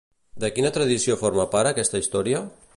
De quina tradició forma part aquesta història?